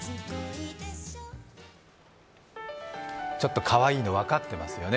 ちょっとかわいいの、分かってますよね。